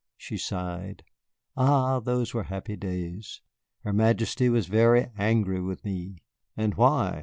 She sighed. "Ah, those were happy days! Her Majesty was very angry with me." "And why?"